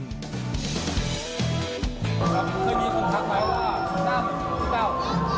ครับคืนนี้คุณทักไว้ว่าสุดท้ายเหมือนพี่แต้ว